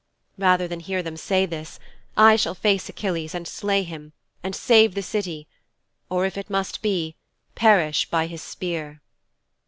Rather than hear them say this I shall face Achilles and slay him and save the City, or, if it must be, perish by his spear."'